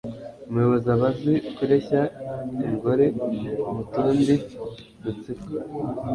Umuyobozi aba azi kureshya ingore mu tundi dutsiko,